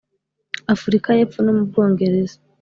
Afurika y’Epfo no mu Bwongereza